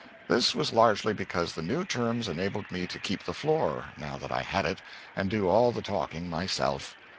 This was largely because the new terms enabled me to keep the floor now that I had it and do all the talking myself.